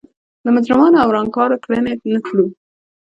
د مجرمانو او ورانکارانو کړنې نه تلو.